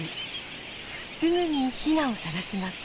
すぐにヒナを探します。